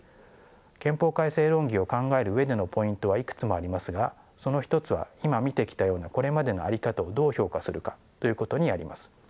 憲法改正論議を考える上でのポイントはいくつもありますがその一つは今見てきたようなこれまでの在り方をどう評価するかということにあります。